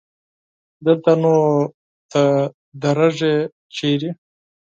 دلته نو ته درېږې چېرته؟